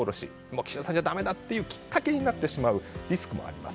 岸田さんじゃだめだというきっかけになってしまうリスクもあります。